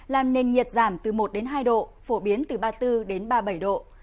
làm nền nhiệt giảm từ một đến hai độ phổ biến từ ba mươi bốn ba mươi bảy độ